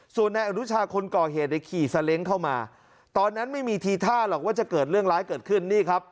ส่วนนายอนุชาคนก่อเหตุในขี่ซาเล้งเข้ามาตอนนั้นไม่มีทีท่าหรอกว่าจะเกิดเรื่องร้ายเกิดขึ้นนี่ครับ